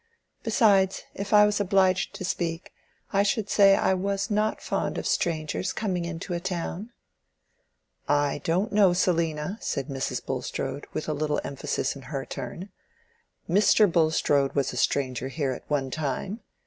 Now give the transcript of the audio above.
Besides, if I was obliged to speak, I should say I was not fond of strangers coming into a town." "I don't know, Selina," said Mrs. Bulstrode, with a little emphasis in her turn. "Mr. Bulstrode was a stranger here at one time.